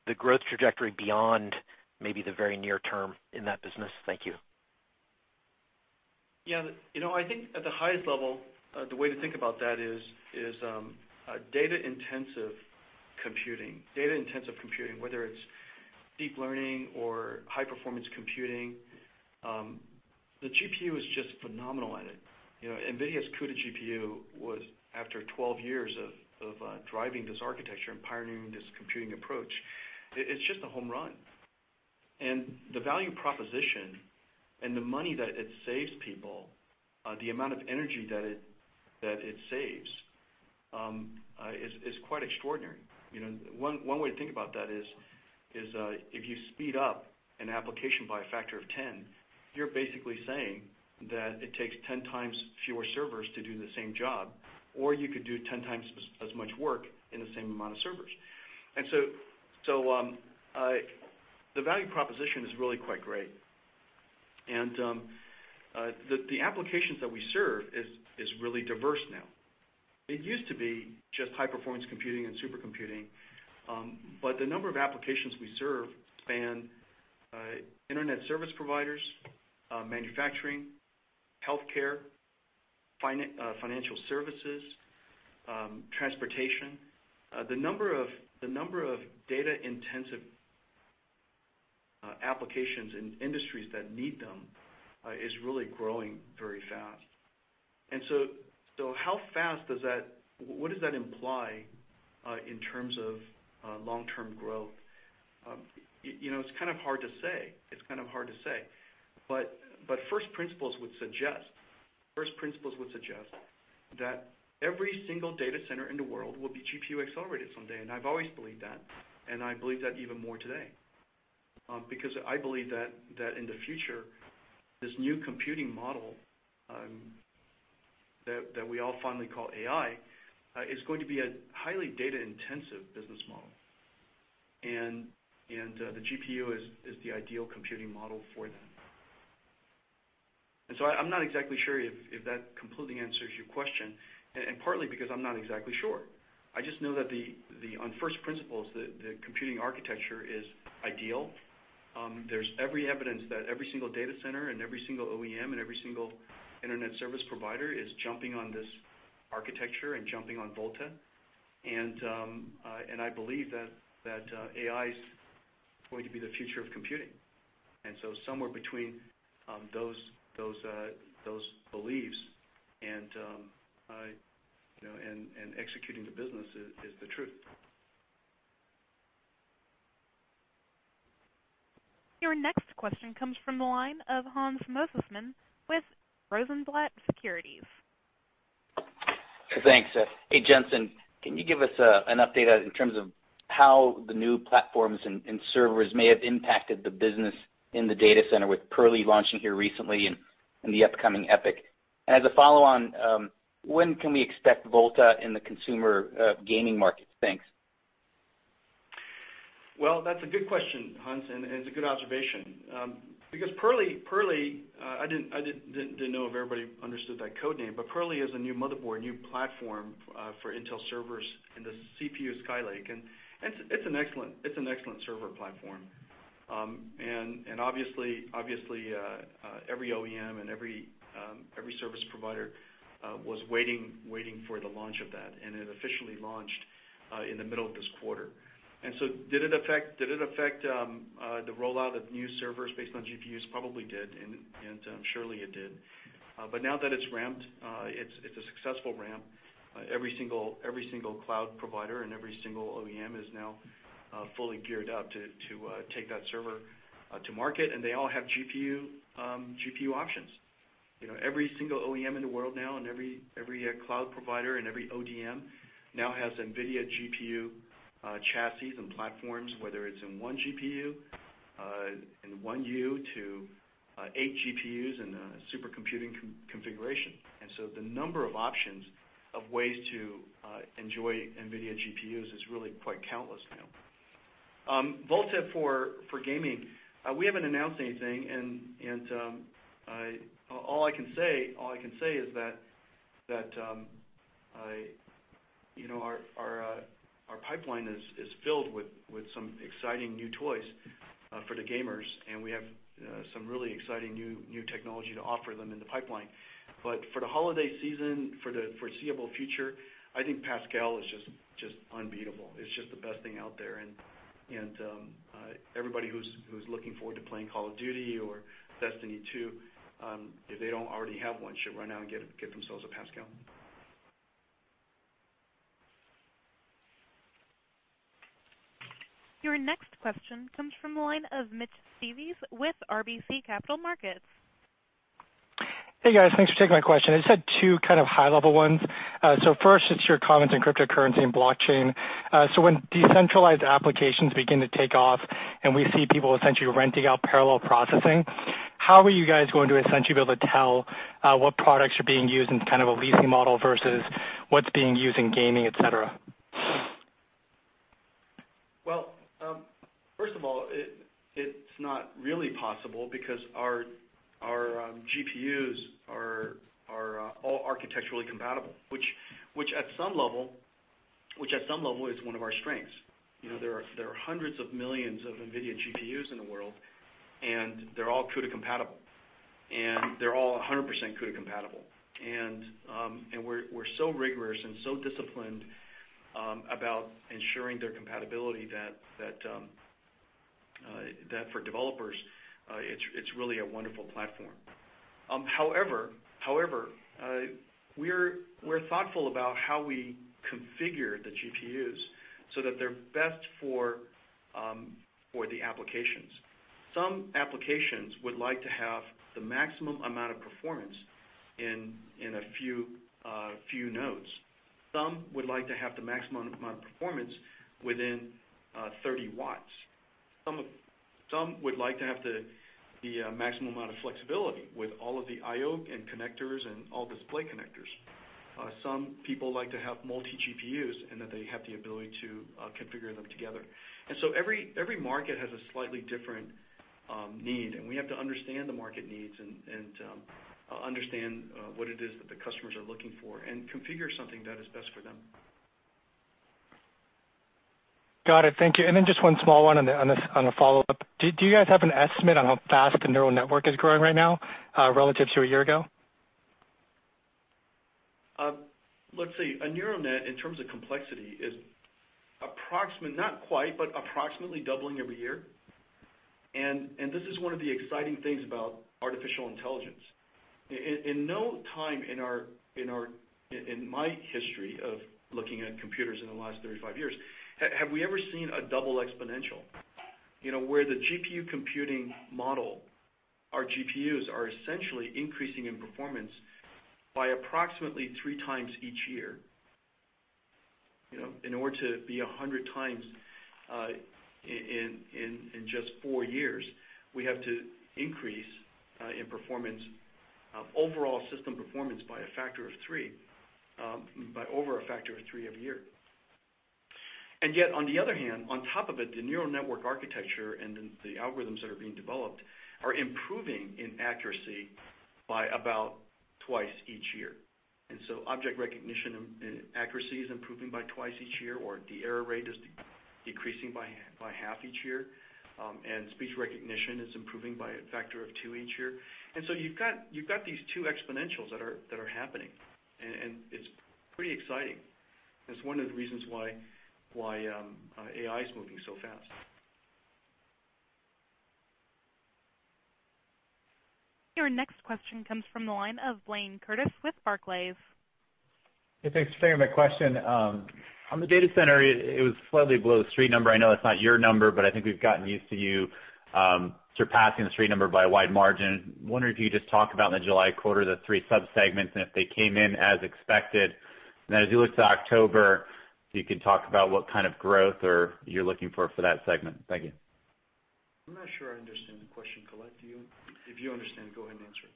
S14: the growth trajectory beyond maybe the very near term in that business? Thank you.
S5: Yeah. I think at the highest level, the way to think about that is data-intensive computing. Data-intensive computing, whether it's deep learning or high-performance computing, the GPU is just phenomenal at it. NVIDIA's CUDA GPU was after 12 years of driving this architecture and pioneering this computing approach. It's just a home run. The value proposition and the money that it saves people, the amount of energy that it saves, is quite extraordinary. One way to think about that is if you speed up an application by a factor of 10, you're basically saying that it takes 10 times fewer servers to do the same job, or you could do 10 times as much work in the same amount of servers. The value proposition is really quite great. The applications that we serve is really diverse now. It used to be just high-performance computing and supercomputing, but the number of applications we serve span internet service providers, manufacturing, healthcare, financial services, transportation. The number of data-intensive applications and industries that need them is really growing very fast. What does that imply in terms of long-term growth? It's kind of hard to say. First principles would suggest that every single data center in the world will be GPU-accelerated someday, and I've always believed that, and I believe that even more today. Because I believe that in the future, this new computing model that we all fondly call AI, is going to be a highly data-intensive business model. The GPU is the ideal computing model for that. I'm not exactly sure if that completely answers your question, and partly because I'm not exactly sure. I just know that on first principles, the computing architecture is ideal. There's every evidence that every single data center and every single OEM and every single internet service provider is jumping on this architecture and jumping on Volta. I believe that AI's going to be the future of computing. Somewhere between those beliefs and executing the business is the truth.
S1: Your next question comes from the line of Hans Mosesmann with Rosenblatt Securities.
S15: Thanks. Hey, Jensen. Can you give us an update in terms of how the new platforms and servers may have impacted the business in the data center with Purley launching here recently and the upcoming EPYC? As a follow-on, when can we expect Volta in the consumer gaming market? Thanks.
S5: Well, that's a good question, Hans, and it's a good observation. Purley, I didn't know if everybody understood that code name, but Purley is a new motherboard, new platform for Intel servers in the CPU Skylake, and it's an excellent server platform. Obviously every OEM and every service provider was waiting for the launch of that, and it officially launched in the middle of this quarter. Did it affect the rollout of new servers based on GPUs? Probably did, and surely it did. Now that it's ramped, it's a successful ramp. Every single cloud provider and every single OEM is now fully geared up to take that server to market, and they all have GPU options. Every single OEM in the world now, and every cloud provider and every ODM now has NVIDIA GPU chassis and platforms, whether it's in 1 GPU, in 1 U to eight GPUs in a supercomputing configuration. The number of options of ways to enjoy NVIDIA GPUs is really quite countless now. Volta for gaming, we haven't announced anything, and all I can say is that our pipeline is filled with some exciting new toys for the gamers, and we have some really exciting new technology to offer them in the pipeline. For the holiday season, for the foreseeable future, I think Pascal is just unbeatable. It's just the best thing out there, and everybody who's looking forward to playing "Call of Duty" or "Destiny 2", if they don't already have one, should run out and get themselves a Pascal.
S1: Your next question comes from the line of Mitch Steves with RBC Capital Markets.
S16: Hey, guys. Thanks for taking my question. I just had two kind of high-level ones. First it's your comments on cryptocurrency and blockchain. When decentralized applications begin to take off, and we see people essentially renting out parallel processing, how are you guys going to essentially be able to tell what products are being used in kind of a leasing model versus what's being used in gaming, et cetera?
S5: Well, first of all, it's not really possible because our GPUs are all architecturally compatible, which at some level is one of our strengths. There are hundreds of millions of NVIDIA GPUs in the world, and they're all CUDA compatible, and they're all 100% CUDA compatible. We're so rigorous and so disciplined about ensuring their compatibility that for developers, it's really a wonderful platform. However, we're thoughtful about how we configure the GPUs so that they're best for the applications. Some applications would like to have the maximum amount of performance in a few nodes. Some would like to have the maximum amount of performance within 30 watts. Some would like to have the maximum amount of flexibility with all of the I/O and connectors and all display connectors. Some people like to have multi GPUs, and that they have the ability to configure them together. Every market has a slightly different need, and we have to understand the market needs and understand what it is that the customers are looking for and configure something that is best for them.
S16: Got it. Thank you. Then just one small one on the follow-up. Do you guys have an estimate on how fast the neural network is growing right now relative to a year ago?
S5: Let's see. A neural net, in terms of complexity, is approximate, not quite, but approximately doubling every year, this is one of the exciting things about artificial intelligence. In no time in my history of looking at computers in the last 35 years have we ever seen a double exponential, where the GPU computing model, our GPUs are essentially increasing in performance by approximately 3 times each year. In order to be 100 times in just 4 years, we have to increase in overall system performance by over a factor of 3 every year. Yet, on the other hand, on top of it, the neural network architecture and the algorithms that are being developed are improving in accuracy by about twice each year. So object recognition accuracy is improving by twice each year, or the error rate is decreasing by half each year. Speech recognition is improving by a factor of 2 each year. So you've got these 2 exponentials that are happening, it's pretty exciting. It's one of the reasons why AI is moving so fast.
S1: Your next question comes from the line of Blayne Curtis with Barclays.
S17: Yeah, thanks for taking my question. On the data center, it was slightly below the street number. I know that's not your number, but I think we've gotten used to you surpassing the street number by a wide margin. Wondering if you could just talk about in the July quarter, the three sub-segments, and if they came in as expected. As you look to October, if you could talk about what kind of growth you're looking for that segment. Thank you.
S5: I'm not sure I understand the question, Colette, do you? If you understand, go ahead and answer it.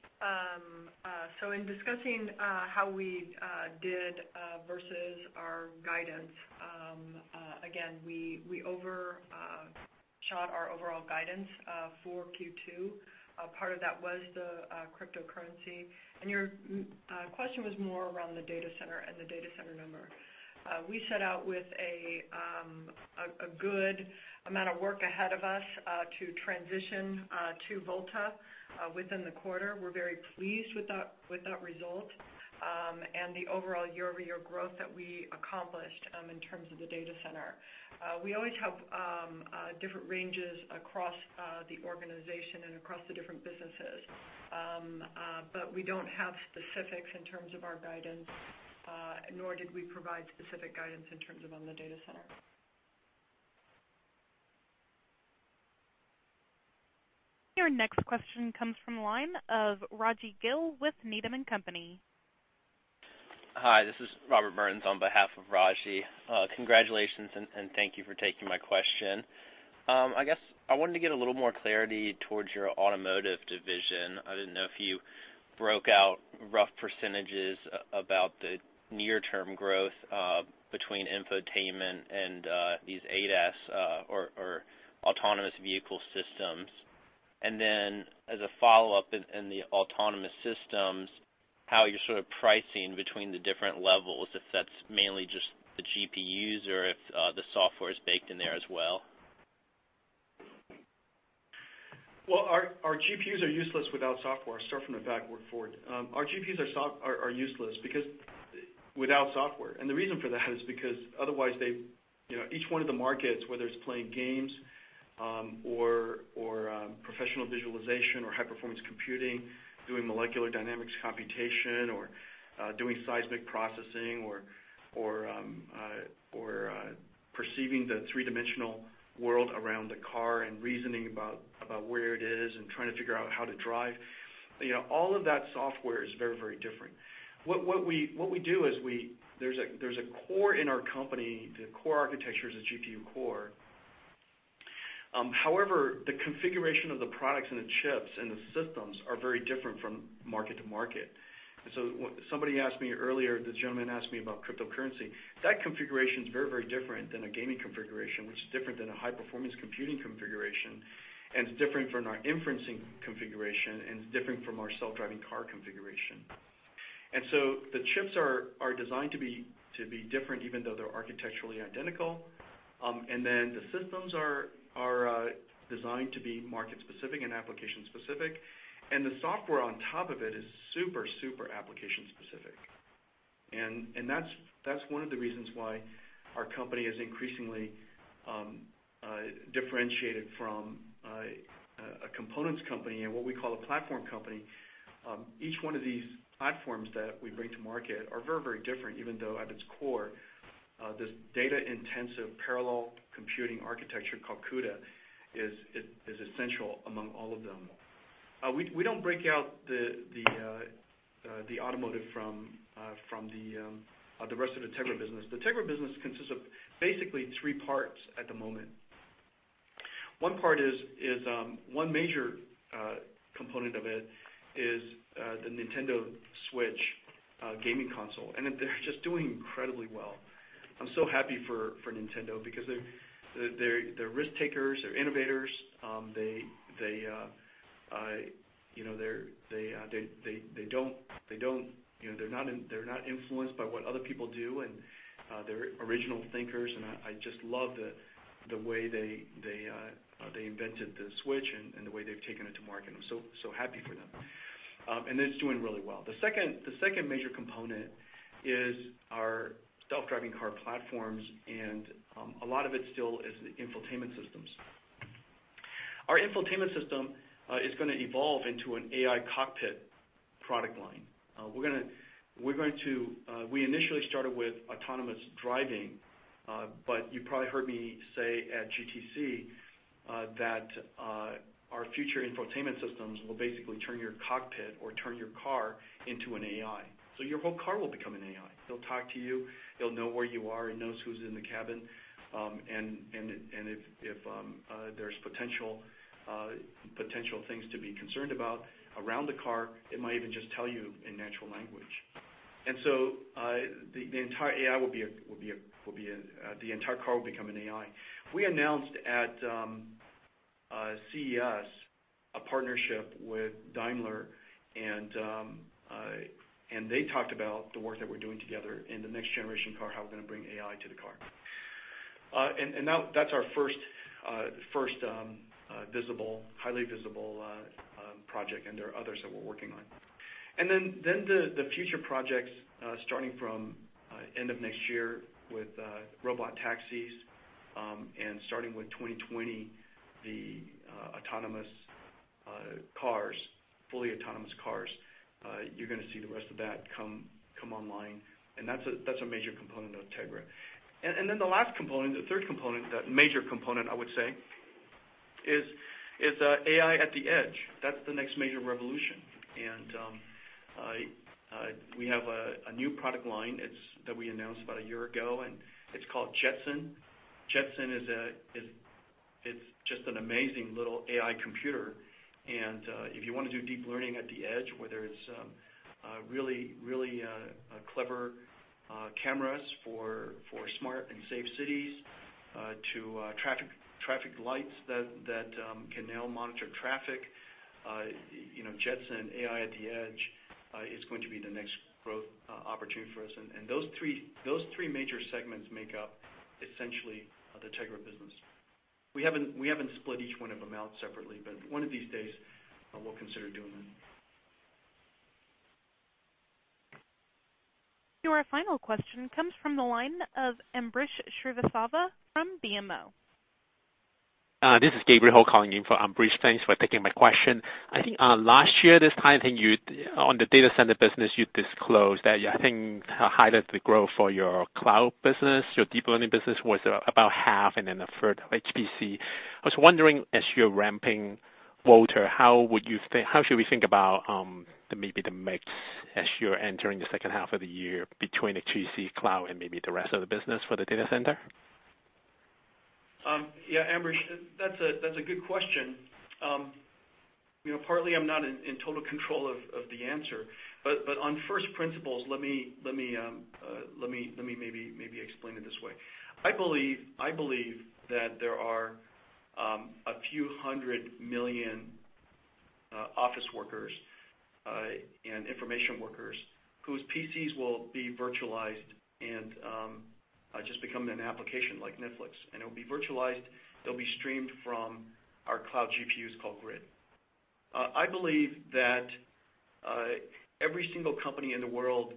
S3: In discussing how we did versus our guidance, again, we overshot our overall guidance for Q2. Part of that was the cryptocurrency. Your question was more around the data center and the data center number. We set out with a good amount of work ahead of us to transition to Volta within the quarter. We're very pleased with that result and the overall year-over-year growth that we accomplished in terms of the data center. We always have different ranges across the organization and across the different businesses. We don't have specifics in terms of our guidance, nor did we provide specific guidance in terms of on the data center.
S1: Your next question comes from the line of Rajvindra Gill with Needham & Company.
S18: Hi, this is Robert Burns on behalf of Raji. Congratulations, and thank you for taking my question. I guess I wanted to get a little more clarity towards your automotive division. I didn't know if you broke out rough percentages about the near-term growth between infotainment and these ADAS or autonomous vehicle systems. As a follow-up, in the autonomous systems, how you're sort of pricing between the different levels, if that's mainly just the GPUs or if the software is baked in there as well.
S5: Our GPUs are useless without software. Start from the back, work forward. Our GPUs are useless without software. The reason for that is because otherwise, each one of the markets, whether it's playing games or professional visualization or high-performance computing, doing molecular dynamics computation, or doing seismic processing or perceiving the three-dimensional world around the car and reasoning about where it is and trying to figure out how to drive. All of that software is very different. What we do is there's a core in our company, the core architecture is a GPU core. However, the configuration of the products and the chips and the systems are very different from market to market. Somebody asked me earlier, this gentleman asked me about cryptocurrency. That configuration is very different than a gaming configuration, which is different than a high-performance computing configuration, it's different from our inferencing configuration, and it's different from our self-driving car configuration. The chips are designed to be different, even though they're architecturally identical. The systems are designed to be market-specific and application-specific, and the software on top of it is super application-specific. That's one of the reasons why our company is increasingly differentiated from a components company and what we call a platform company. Each one of these platforms that we bring to market are very different even though at its core this data-intensive parallel computing architecture called CUDA is essential among all of them. We don't break out the automotive from the rest of the Tegra business. The Tegra business consists of basically three parts at the moment.
S3: One major component of it is the Nintendo Switch gaming console, and they're just doing incredibly well. I'm so happy for Nintendo because they're risk-takers, they're innovators. They're not influenced by what other people do, they're original thinkers, and I just love the way they invented the Switch and the way they've taken it to market. I'm so happy for them. It's doing really well. The second major component is our self-driving car platforms, and a lot of it still is the infotainment systems. Our infotainment system is going to evolve into an AI cockpit product line. We initially started with autonomous driving, but you probably heard me say at GTC that our future infotainment systems will basically turn your cockpit or turn your car into an AI. Your whole car will become an AI. It'll talk to you, it'll know where you are. It knows who's in the cabin. If there's potential things to be concerned about around the car, it might even just tell you in natural language. The entire car will become an AI. We announced at CES a partnership with Daimler, they talked about the work that we're doing together in the next generation car, how we're going to bring AI to the car. That's our first highly visible project, there are others that we're working on. The future projects, starting from end of next year with robot taxis, starting with 2020, the autonomous cars, fully autonomous cars, you're going to see the rest of that come online. That's a major component of Tegra. The last component, the third component, the major component, I would say, is AI at the edge. That's the next major revolution. We have a new product line that we announced about a year ago, it's called Jetson. Jetson is just an amazing little AI computer
S5: If you want to do deep learning at the edge, whether it's really clever cameras for smart and safe cities to traffic lights that can now monitor traffic, Jetson AI at the edge is going to be the next growth opportunity for us. Those three major segments make up essentially the Tegra business. We haven't split each one of them out separately, but one of these days we'll consider doing that.
S1: Your final question comes from the line of Ambrish Srivastava from BMO.
S19: This is Gabriel calling in for Ambrish. Thanks for taking my question. I think last year this time, on the data center business, you disclosed that I think the height of the growth for your cloud business, your deep learning business, was about half and then a third of HPC. I was wondering, as you're ramping, Volta, how should we think about maybe the mix as you're entering the second half of the year between the G3 cloud and maybe the rest of the business for the data center?
S5: Yeah, Ambrish, that's a good question. Partly, I'm not in total control of the answer. On first principles, let me maybe explain it this way. I believe that there are a few hundred million office workers and information workers whose PCs will be virtualized and just become an application like Netflix, and it'll be virtualized, they'll be streamed from our cloud GPUs called Grid. I believe that every single company in the world,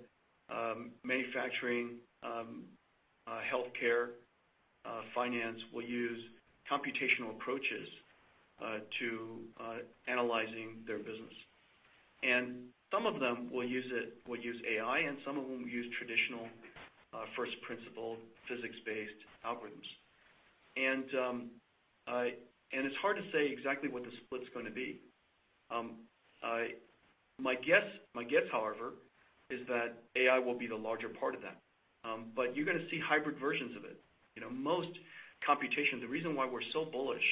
S5: manufacturing, healthcare, finance, will use computational approaches to analyzing their business. Some of them will use AI, and some of them use traditional first principle physics-based algorithms. It's hard to say exactly what the split's going to be. My guess, however, is that AI will be the larger part of that. You're going to see hybrid versions of it. Most computation, the reason why we're so bullish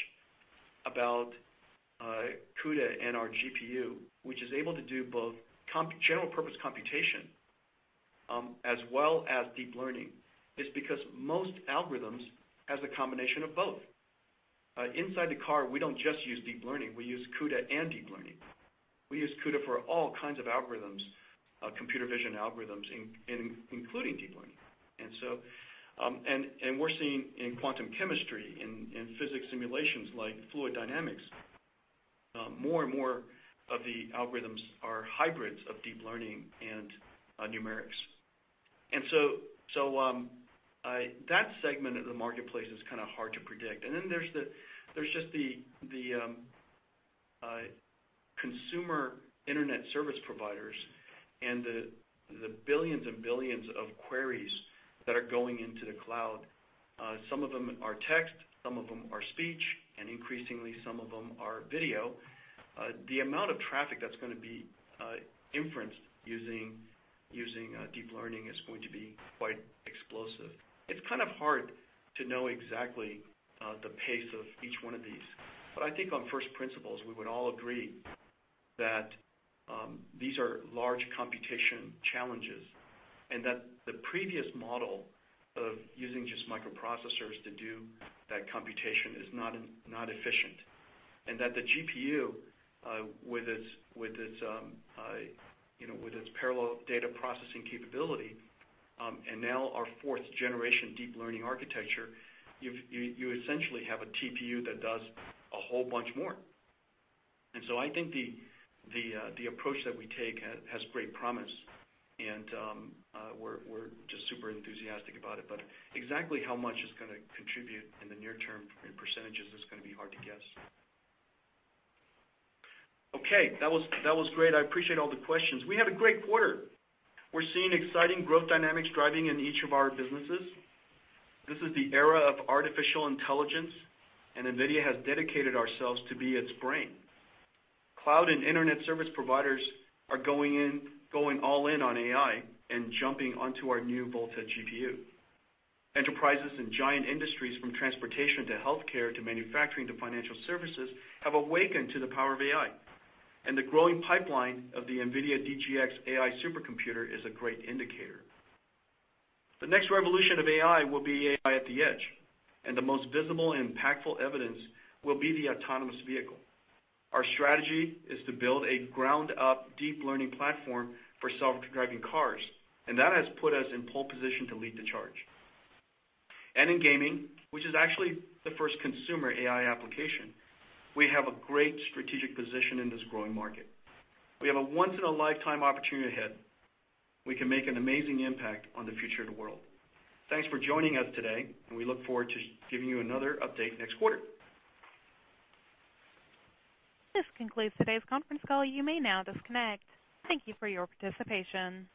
S5: about CUDA and our GPU, which is able to do both general purpose computation as well as deep learning, is because most algorithms has a combination of both. Inside the car, we don't just use deep learning, we use CUDA and deep learning. We use CUDA for all kinds of algorithms, computer vision algorithms, including deep learning. We're seeing in quantum chemistry, in physics simulations like fluid dynamics, more and more of the algorithms are hybrids of deep learning and numerics. That segment of the marketplace is kind of hard to predict. Then there's just the consumer internet service providers and the billions and billions of queries that are going into the cloud. Some of them are text, some of them are speech, and increasingly some of them are video. The amount of traffic that's going to be inferenced using deep learning is going to be quite explosive. It's kind of hard to know exactly the pace of each one of these. I think on first principles, we would all agree that these are large computation challenges, that the previous model of using just microprocessors to do that computation is not efficient, and that the GPU with its parallel data processing capability, and now our fourth generation deep learning architecture, you essentially have a TPU that does a whole bunch more. I think the approach that we take has great promise, we're just super enthusiastic about it. Exactly how much it's going to contribute in the near term in percentages is going to be hard to guess. Okay. That was great. I appreciate all the questions. We had a great quarter. We're seeing exciting growth dynamics driving in each of our businesses. This is the era of artificial intelligence. NVIDIA has dedicated ourselves to be its brain. Cloud and internet service providers are going all in on AI and jumping onto our new Volta GPU. Enterprises and giant industries from transportation to healthcare to manufacturing to financial services have awakened to the power of AI. The growing pipeline of the NVIDIA DGX AI supercomputer is a great indicator. The next revolution of AI will be AI at the edge. The most visible and impactful evidence will be the autonomous vehicle. Our strategy is to build a ground-up deep learning platform for self-driving cars. That has put us in pole position to lead the charge. In gaming, which is actually the first consumer AI application, we have a great strategic position in this growing market. We have a once in a lifetime opportunity ahead. We can make an amazing impact on the future of the world. Thanks for joining us today. We look forward to giving you another update next quarter.
S1: This concludes today's conference call. You may now disconnect. Thank you for your participation.